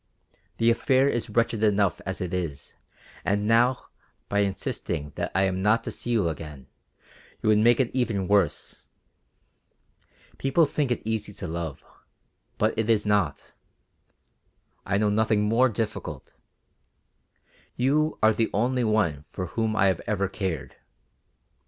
The affair is wretched enough as it is, and now, by insisting that I am not to see you again, you would make it even worse. People think it easy to love, but it is not; I know nothing more difficult. You are the only one for whom I have ever cared.